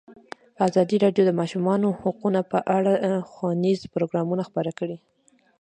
ازادي راډیو د د ماشومانو حقونه په اړه ښوونیز پروګرامونه خپاره کړي.